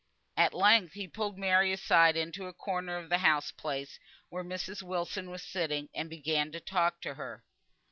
At length he pulled Mary aside into a corner of the house place where Mrs. Wilson was sitting, and began to talk to her.